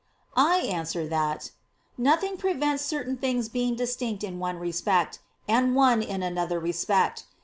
I answer that, Nothing prevents certain things being distinct in one respect, and one in another respect.